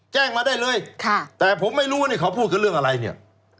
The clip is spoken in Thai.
แจ้งมาได้เลยแต่ผมไม่รู้ว่านี่เขาพูดกันเรื่องอะไรเนี่ย